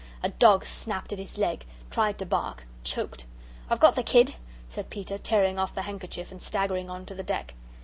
A dog snapped at his leg tried to bark, choked. "I've got the kid," said Peter, tearing off the handkerchief and staggering on to the deck.